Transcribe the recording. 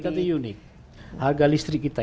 kita tuh unik harga listrik kita